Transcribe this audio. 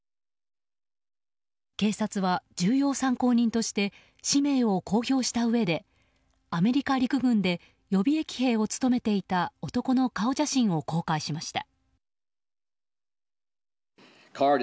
警察は重要参考人として氏名を公表したうえでアメリカ陸軍で予備役兵を務めていた男の顔写真を公開しました。